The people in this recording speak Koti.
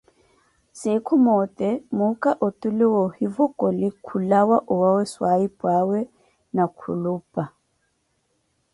Sinkhu moote muukha otule woohivokoli khulawa owawe swayipwawe ni khulupa.